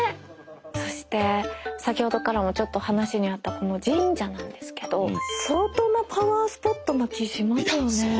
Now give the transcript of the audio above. そして先ほどからもちょっと話にあったこの神社なんですけど相当なパワースポットな気しますよね。